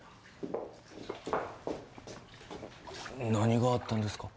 何があったんですか？